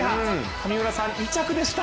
上村さん２着でした。